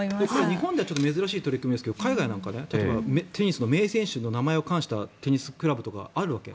日本では珍しい取り組みですが海外では例えばテニスの名選手の名前を冠したテニスクラブとかあるわけ。